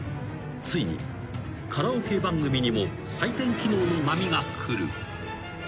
ついにカラオケ番組にも採点機能の波が来る］